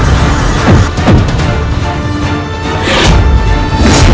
terima kasih raden